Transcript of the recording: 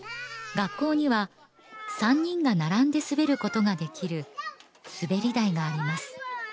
学校には三人が並んで滑ることができる滑り台があります